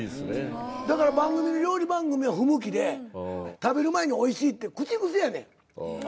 だから料理番組は不向きで食べる前においしいって口癖やねん。